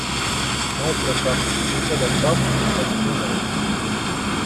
Microsoft hizo de Fox el Nro.